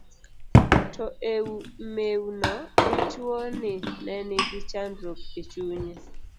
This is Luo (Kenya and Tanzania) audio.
to ei mew no, dichuo ni ne nigi chandruok e chunye